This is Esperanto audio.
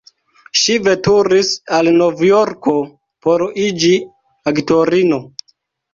Ŝi veturis al Novjorko, por iĝi aktorino.